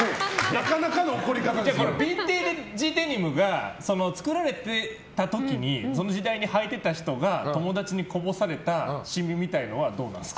ビンテージデニムが作られていた時にその時代にはいてた人が友達にこぼされた染みみたいなのはどうなんですか？